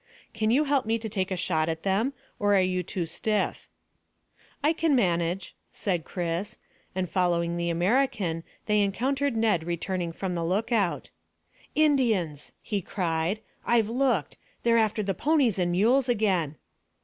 Can you help me to take a shot at them? Or are you too stiff?" "I can manage," said Chris, and following the American they encountered Ned returning from the lookout. "Indians," he cried. "I've looked. They're after the ponies and mules again."